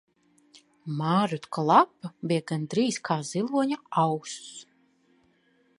M?rrutka lapa bija gandr?z k? zilo?a auss.